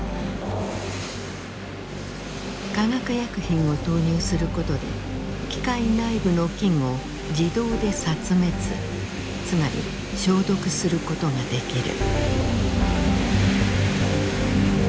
化学薬品を投入することで機械内部の菌を自動で殺滅つまり消毒することができる。